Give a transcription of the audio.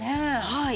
はい。